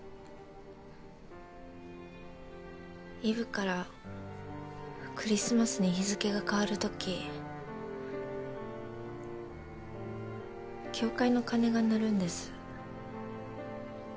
イブからクリスマスに日付が変わるとき教会の鐘が鳴るんです。